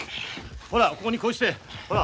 ほらここにこうしてほら。